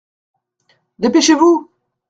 Dépêchez-vous !